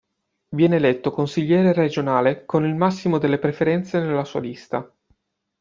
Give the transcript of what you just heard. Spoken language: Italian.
Viene eletto consigliere regionale con il massimo delle preferenze nella sua lista.